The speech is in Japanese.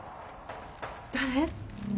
誰？